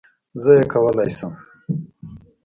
زه یې کولای شم